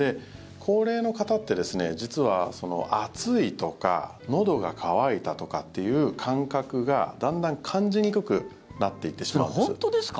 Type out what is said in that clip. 高齢の方って実は暑いとかのどが渇いたとかっていう感覚がだんだん感じにくくなっていってしまうんです。